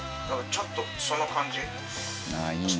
ちょっと、その感じ。